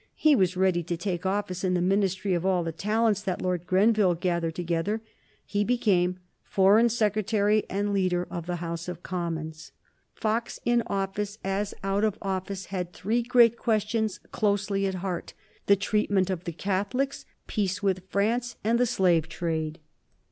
He was ready to take office in the Ministry of All the Talents that Lord Grenville gathered together. He became Foreign Secretary and Leader of the House of Commons. Fox, in office as out of office, had three great questions closely at heart: the treatment of Catholics, peace with France, and the Slave Trade.